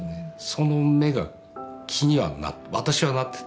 その目が気にはなって私はなっていた。